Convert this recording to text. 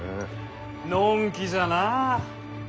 のんきじゃなぁ。